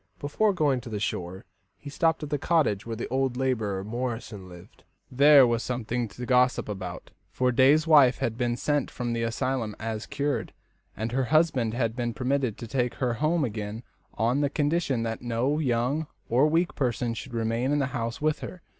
Before going to the shore, he stopped at the cottage where the old labourer, Morrison, lived. There was something to gossip about, for Day's wife had been sent from the asylum as cured, and her husband had been permitted to take her home again on condition that no young or weak person should remain in the house with her.